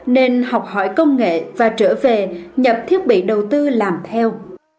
nên học hỏi công nghệ và trở về nhập thiết bị đầu tư làm theo